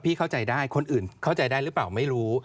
เข้าใจได้คนอื่นเข้าใจได้หรือเปล่าไม่รู้